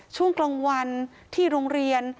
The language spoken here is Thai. ช่วงกลางวันที่โรงเรียน